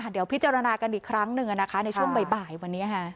เดี๋ยวพิจารณากันอีกครั้งหนึ่งในช่วงบ่ายวันนี้